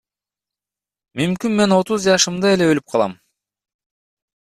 Мүмкүн мен отуз жашымда эле өлүп калам?